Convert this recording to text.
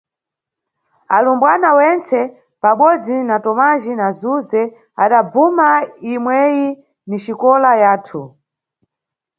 Alumbwana wentse, pabodzi na Tomajhi na Suze adabvuma imweyi ni xikola yathu.